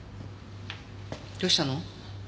どうしたの？